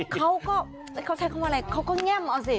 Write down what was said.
เขาก็เขาใช้คำว่าอะไรเขาก็แง่มเอาสิ